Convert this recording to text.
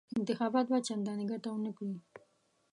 انتخابات به چنداني ګټه ونه کړي.